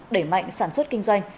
đẩy mạnh sản xuất kinh doanh